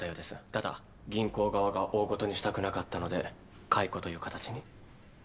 ただ銀行側が大ごとにしたくなかったので解雇という形に。